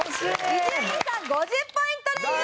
伊集院さん５０ポイントで優勝です！